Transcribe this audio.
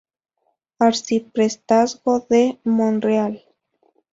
Arciprestazgo de Monreal